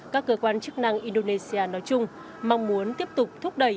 các cơ quan chức năng indonesia nói chung mong muốn tiếp tục thúc đẩy